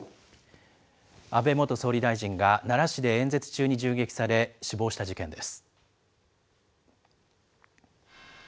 安倍元総理大臣が奈良市で演説中に銃撃され、死亡した事件です。